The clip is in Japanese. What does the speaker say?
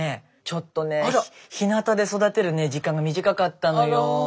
ちょっとねひなたで育てるね時間が短かったのよ。